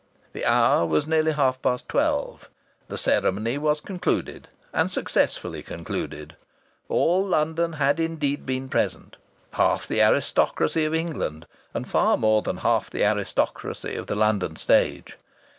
The hour was nearly half past twelve. The ceremony was concluded and successfully concluded. All London had indeed been present. Half the aristocracy of England, and far more than half the aristocracy of the London stage!